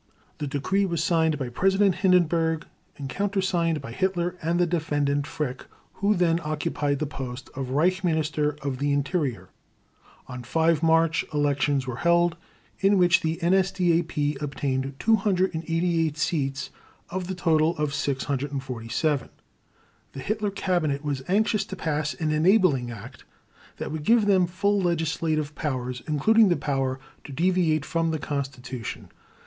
The decree was signed by President Hindenburg and countersigned by Hitler and the Defendant Frick, who then occupied the post of Reich Minister of the Interior. On 5 March elections were held, in which the NSDAP obtained 288 seats of the total of 647. The Hitler Cabinet was anxious to pass an "Enabling Act" that would give them full legislative powers, including the power to deviate from the Constitution.